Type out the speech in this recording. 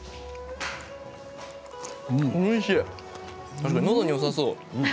確かにのどによさそう。